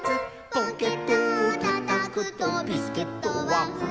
「ポケットをたたくとビスケットはふたつ」